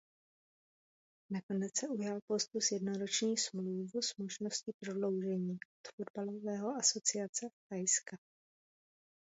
Nakonec se ujal postu s jednoroční smlouvu s možností prodloužení od fotbalového asociace Thajska.